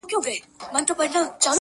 دړي وړي زړه مي رغومه نور ,